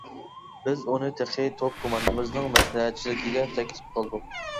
بىز ئۇنى تېخى توپ كوماندىمىزنىڭ مەسلىھەتچىلىكىگە تەكلىپ قىلدۇق.